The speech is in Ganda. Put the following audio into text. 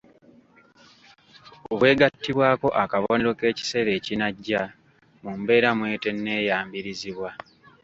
Bw’egattibwako akabonero k’ekiseera ekinajja mu mbeera mw’etenneeyambirizibwa.